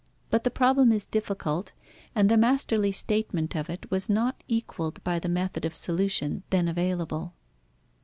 But the problem is difficult, and the masterly statement of it was not equalled by the method of solution then available.